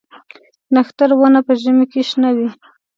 نښتر ونه په ژمي کې شنه وي؟